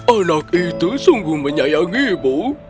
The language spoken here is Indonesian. anak itu sungguh menyayangi ibu